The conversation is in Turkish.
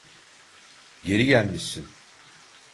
Geri gelmişsin.